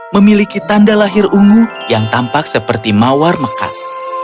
memiliki tanda lahir ungu yang tampak seperti mawar mekat